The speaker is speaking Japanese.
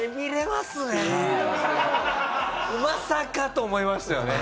まさかと思いましたよね。